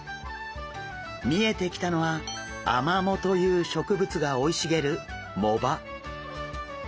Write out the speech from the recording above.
見えてきたのはアマモという植物が生い茂る藻場。